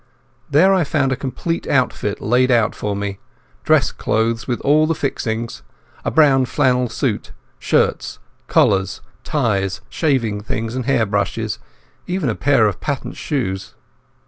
There I found a complete outfit laid out for me—dress clothes with all the fixings, a brown flannel suit, shirts, collars, ties, shaving things and hair brushes, even a pair of patent shoes.